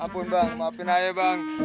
ampun bang maafin aja bang